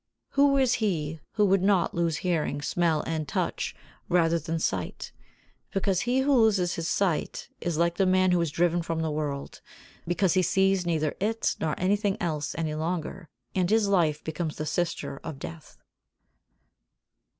Who is he who would not lose hearing, smell and touch rather than sight? Because he who loses his sight is like the man who is driven from the world, because he sees neither it nor anything else any longer. And this life becomes the sister of Death.